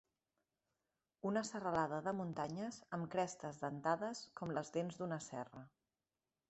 Una serralada de muntanyes (amb crestes dentades com les dents d'una serra)